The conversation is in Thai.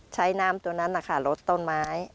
ใช้น้ำตัวนั้นนะคะลดต้นไม้